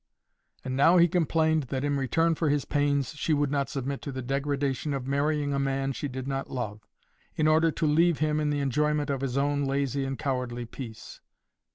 And now he complained that in return for his pains she would not submit to the degradation of marrying a man she did not love, in order to leave him in the enjoyment of his own lazy and cowardly peace.